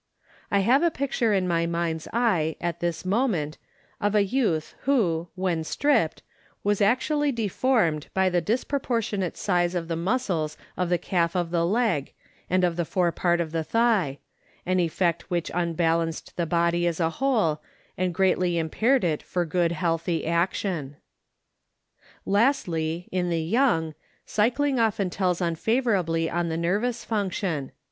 I have a picture in my mind's eye at this moment of a youth who, when stripped, was actually de formed by the disproportionate size of the muscles of the calf of the leg, and of the forepart of the thigh ŌĆö an effect which un balanced the body as a whole, and greatly impaired it for good healthy action. Lastly, in the young, cycling often tells unfavorably on the ner vous function.